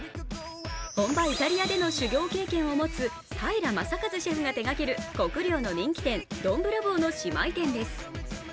本場イタリアでの修行経験を持つ平雅一シェフが手がける国領の人気店、ドン・ブラボーの姉妹店です。